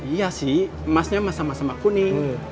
iya sih emasnya sama sama kuning